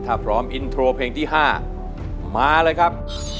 ถ้าพร้อมอินโทรเพลงที่๕มาเลยครับ